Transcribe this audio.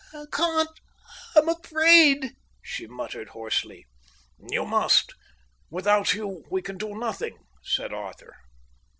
"I can't, I'm afraid," she muttered hoarsely. "You must. Without you we can do nothing," said Arthur.